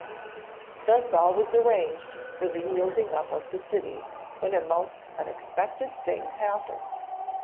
Thus all was arranged for the yielding up of the city, when a most unexpected thing happened.